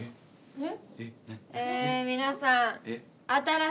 えっ？